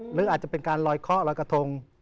หรืออาจจะเป็นการลอยเคาะลอยกระทง